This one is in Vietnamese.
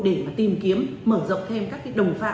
để mà tìm kiếm mở rộng thêm các đồng phạm